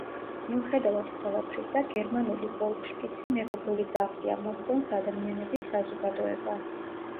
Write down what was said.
მიუხედავად ყველაფრისა, გერმანული ვოლფშპიცი მეგობრული ძაღლია, მოსწონს ადამიანების საზოგადოება.